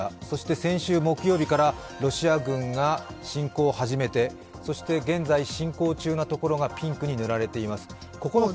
そして先週木曜日からロシア軍が侵攻を始めて、現在、侵攻中のところがピンクに塗られています。